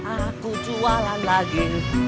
aku jualan lagi